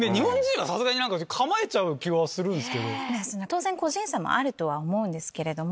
当然個人差もあるとは思うんですけれども。